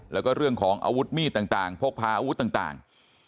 แล้วก็เรื่องของอาวุธมีดต่างพกพาอาวุธต่าง